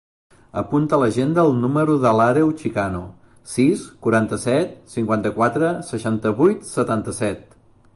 Apunta a l'agenda el número de l'Àreu Chicano: sis, quaranta-set, cinquanta-quatre, seixanta-vuit, setanta-set.